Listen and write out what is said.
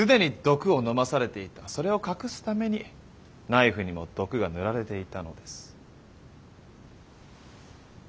それを隠すためにナイフにも毒が塗られていたのです。